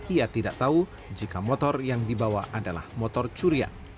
ia tidak tahu jika motor yang dibawa adalah motor curian